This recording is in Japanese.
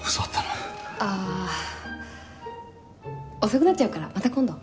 遅くなっちゃうからまた今度。